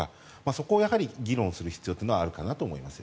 そこを議論する必要はあると思います。